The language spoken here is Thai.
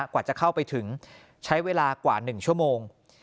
กว่าจะเข้าไปถึงใช้เวลากว่า๑ชั่วโมง